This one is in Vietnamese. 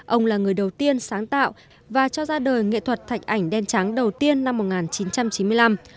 ông là người đầu tiên sáng tạo và cho ra đời nghệ thuật thạch ảnh đen trắng đầu tiên năm một nghìn chín trăm chín mươi năm